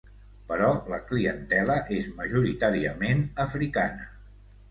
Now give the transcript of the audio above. Però la clientela és majoritàriament africana.